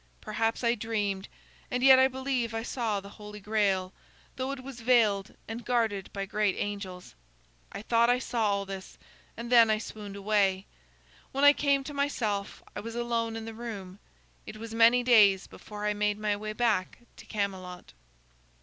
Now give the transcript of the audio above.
Perhaps I dreamed, and yet I believe I saw the Holy Grail, though it was veiled and guarded by great angels. I thought I saw all this, and then I swooned away. When I came to myself, I was alone in the room. It was many days before I made my way back to Camelot."